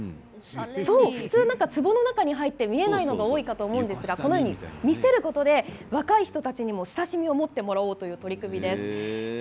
普通つぼの中に入って見えないのが多いと思うんですがこのように見せることで若い人たちにも、親しみを持ってもらおうという取り組みです。